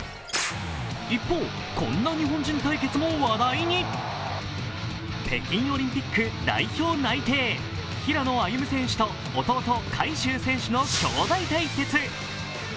一方、こんな日本人対決も話題に北京オリンピック代表内定平野歩夢選手と弟・海祝選手の兄弟対決。